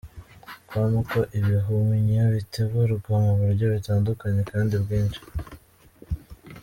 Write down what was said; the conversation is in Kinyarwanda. com ko ibihumyo bitegurwa mu buryo butandukanye kandi bwinshi.